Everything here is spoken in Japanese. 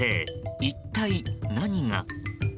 一体何が？